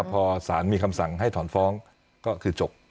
พอสารมีคำสั่งให้ถอนฟ้องก็คือจบ